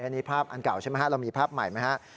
อันนี้ภาพอันเก่าใช่ไหมฮะเรามีภาพใหม่ไหมครับ